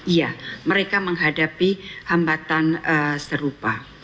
iya mereka menghadapi hambatan serupa